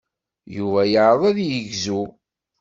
Yuba yeɛreḍ ad yegzu.